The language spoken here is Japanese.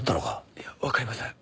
いやわかりません。